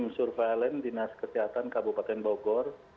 surveillance dinas kesehatan kabupaten bogor